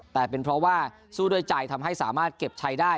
แต่เป็นเพราะว่าสู้ด้วยใจทำให้สามารถเก็บใช้ได้